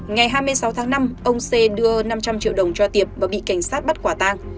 ngày hai mươi sáu tháng năm ông c đưa năm trăm linh triệu đồng cho tiệp và bị cảnh sát bắt quả tang